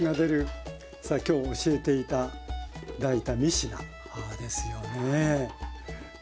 さあきょう教えて頂いた３品ですよね。